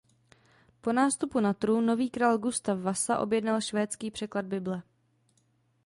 Po nástupu na trůn nový král Gustav Vasa objednal švédský překlad bible.